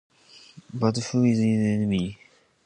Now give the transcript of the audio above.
But who is the enemy?